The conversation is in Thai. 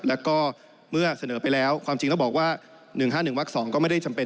แล้วก็เมื่อเสนอไปแล้วความจริงแล้วบอกว่า๑๕๑วัก๒ก็ไม่ได้จำเป็น